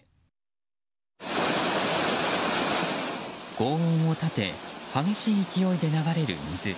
轟音を立て激しい勢いで流れる水。